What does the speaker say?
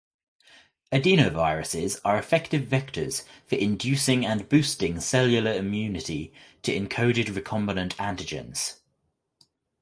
Adenoviruses are effective vectors for inducing and boosting cellular immunity to encoded recombinant antigens.